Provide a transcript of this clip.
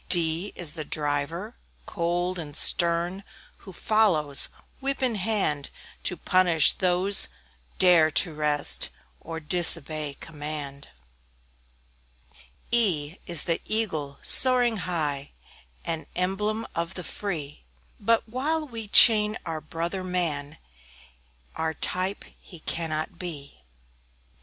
D D is the Driver, cold and stern, Who follows, whip in hand, To punish those who dare to rest, Or disobey command. E E is the Eagle, soaring high; An emblem of the free; But while we chain our brother man, Our type he cannot be.